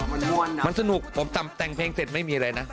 อ๋อมันมวลนะมันสนุกผมตัำแต่งเพลงเสร็จไม่มีอะไรนะ